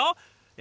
え